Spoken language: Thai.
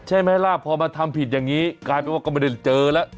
ใช่ไหมล่ะพอมาทำผิดอย่างนี้กลายเป็นว่าก็ไม่ได้เจอแล้ว